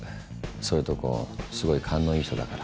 そういうとこすごい勘のいい人だから。